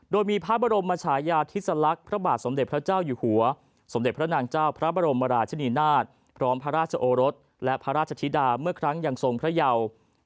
โดยมีพระบรมชายาธิสลักษณ์พระบาทสมเด็จพระเจ้าอยู่หัวสมเด็จพระนางเจ้าพระบรมราชนีนาฏพร้อมพระราชโอรสและพระราชธิดาเมื่อครั้งยังทรงพระเยา